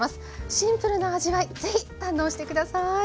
シンプルな味わいぜひ堪能して下さい。